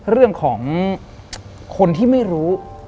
เรื่องของคนที่ไม่รู้